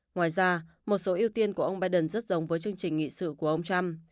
ngoài ra một số ưu tiên của ông biden rất giống với chương trình nghị sự của ông trump